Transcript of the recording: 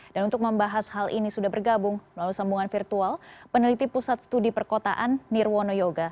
dan untuk membahas hal ini sudah bergabung melalui sambungan virtual peneliti pusat studi perkotaan nirwono yoga